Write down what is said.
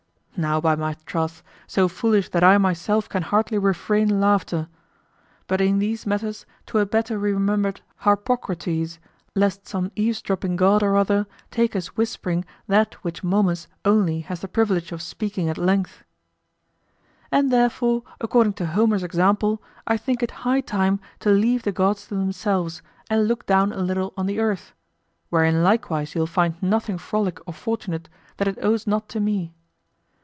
Now by my troth, so foolish that I myself can hardly refrain laughter. But in these matters 'twere better we remembered Harpocrates, lest some eavesdropping god or other take us whispering that which Momus only has the privilege of speaking at length. And therefore, according to Homer's example, I think it high time to leave the gods to themselves, and look down a little on the earth; wherein likewise you'll find nothing frolic or fortunate that it owes not to me.